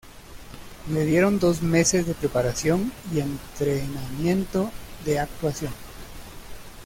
Le dieron dos meses de preparación y entrenamiento de actuación.